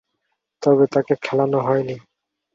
তবে তাকে খেলানো হয়নি।